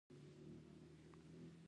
لوښي پرېولي.